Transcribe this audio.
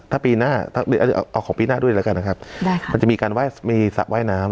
ถ้าปีหน้าถ้าเอาของปีหน้าด้วยแล้วกันนะครับได้ค่ะมันจะมีการไหว้มีสระว่ายน้ำ